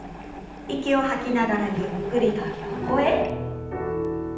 息を吐きながらゆっくりと横へ。